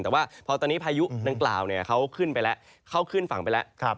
แต่ว่าพอตอนนี้พายุนังกล่าวเข้าขึ้นไปแล้ว